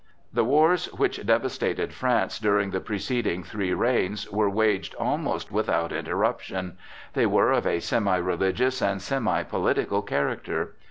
The wars which devastated France during the preceding three reigns were waged almost without interruption; they were of a semi religious and semi political character.